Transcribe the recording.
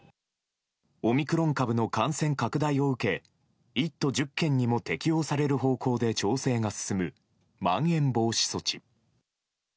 オミクロン株の感染拡大を受け１都１０県にも適用される方向で調整が進むまん延防止措置。